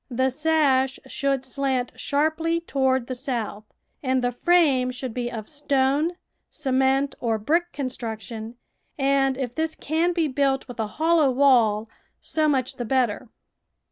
The sash should slant sharply toward the south, and the frame should be of stone, cement, or brick construction, and if this can be built with a hollow wall, so much the better.